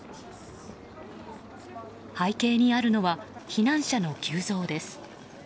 背景にあるのは避難者の急増です。